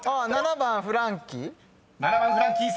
７番「フランキー」？